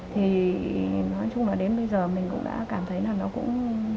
thì nói chung là đến bây giờ mình cũng đã cảm thấy là nó cũng